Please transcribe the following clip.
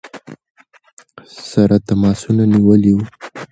سره تماسونه نیولي ؤ.